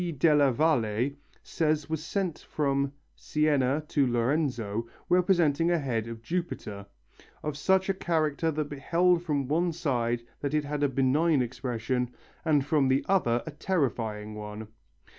della Valle says was sent from Siena to Lorenzo, representing a head of Jupiter, of such a character that beheld from one side it had a benign expression, and from the other a terrifying one.